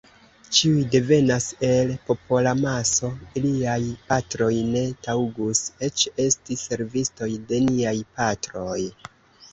Ĉiuj devenas el popolamaso, iliaj patroj ne taŭgus eĉ esti servistoj de niaj patroj.